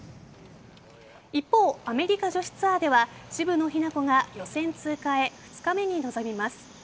一方、アメリカ女子ツアーでは渋野日向子が予選通過へ２日目に臨みます。